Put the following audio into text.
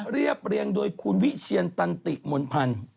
เรียบเรียงโดยคุณวิเชียนตันติมนพันธ์